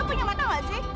lo punya mata ga sih